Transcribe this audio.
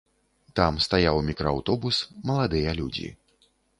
Там стаяў мікрааўтобус, маладыя людзі.